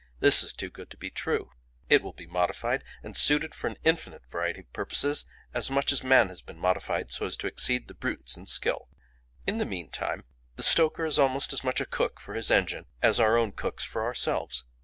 This is too good to be true: it will be modified and suited for an infinite variety of purposes, as much as man has been modified so as to exceed the brutes in skill. "In the meantime the stoker is almost as much a cook for his engine as our own cooks for ourselves.